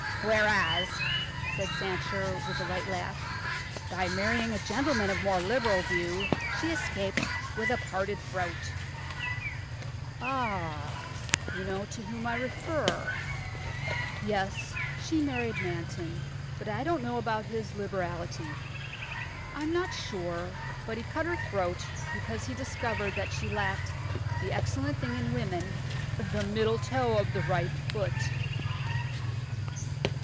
"Whereas," said Sancher, with a light laugh, "by marrying a gentleman of more liberal view she escaped with a parted throat." "Ah, you know to whom I refer. Yes, she married Manton, but I don't know about his liberality; I'm not sure but he cut her throat because he discovered that she lacked that excellent thing in woman, the middle toe of the right foot."